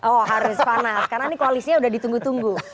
oh harus panas karena ini koalisnya sudah ditunggu tunggu